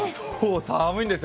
寒いんですよ。